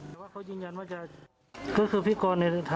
แต่ว่าเขายินยันว่าจะจ่ายใช่ไหม